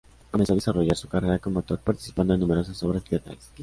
Comenzó a desarrollar su carrera como actor participando en numerosas obras teatrales.